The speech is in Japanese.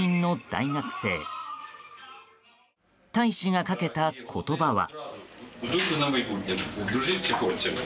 大使がかけた言葉は。